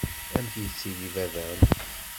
Amek yettili baba-m?